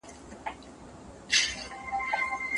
خپل تخیل ته کار ورکړئ.